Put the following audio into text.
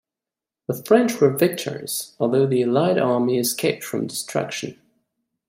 The French were victorious, although the allied army escaped from destruction.